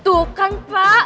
tuh kan pak